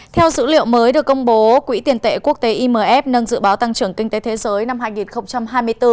theo dữ liệu mới được công bố quỹ tiền tệ quốc tế imf nâng dự báo tăng trưởng kinh tế thế giới năm hai nghìn hai mươi bốn